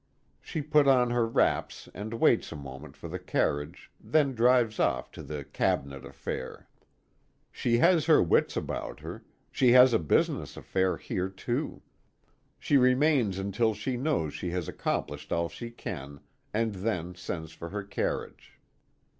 She put on her wraps and waits a moment for the carriage, then drives off to the "Cabinet affair." She has her wits about her she has a business affair here, too. She remains until she knows she has accomplished all she can, and then sends for her carriage.